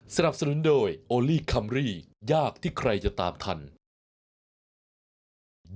สนับสนุนโดยโอลี่คัมรี่ยากที่ใครจะตามทัน